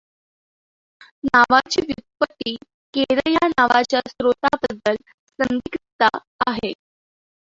नावाची व्युत्पत्ती केरळ या नावाच्या स्रोताबद्दल संदिग्धता आहे.